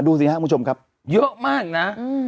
ดูสิครับคุณผู้ชมครับเยอะมากนะ